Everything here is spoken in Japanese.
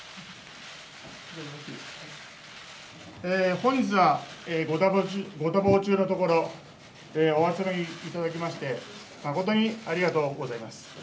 本日はご多忙中のところ、お集まりいただきまして、誠にありがとうございます。